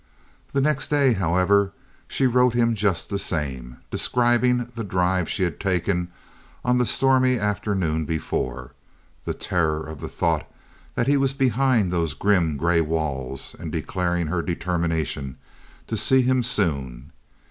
The next day, however, she wrote him just the same, describing the drive she had taken on the stormy afternoon before—the terror of the thought that he was behind those grim gray walls—and declaring her determination to see him soon.